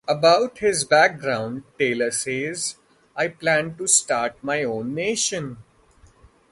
About his background Taylor says: I plan to start my own nation.